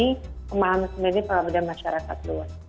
memahami sebenarnya perangkat masyarakat luas